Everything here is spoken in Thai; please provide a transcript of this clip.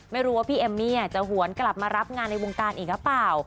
ไม่รู้ว่าพี่เอมมี่จะหวนกลับมารับงานในวงการอีกหรือเปล่า